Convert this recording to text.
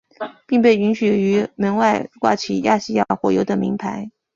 并被允许于门外挂起亚细亚火油的铭牌。